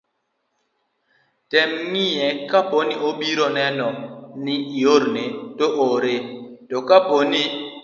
tem ng'iye kapo ni ibiro neno ni iore, to ore. to kapo ni